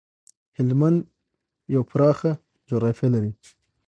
هلمند یو پراته جغرافيه لري